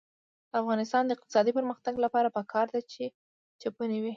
د افغانستان د اقتصادي پرمختګ لپاره پکار ده چې چپنې وي.